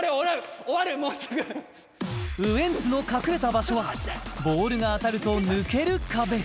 もうすぐウエンツの隠れた場所はボールが当たると抜ける壁